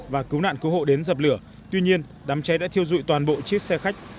và cứu nạn cứu hộ đến dập lửa tuy nhiên đám cháy đã thiêu dụi toàn bộ chiếc xe khách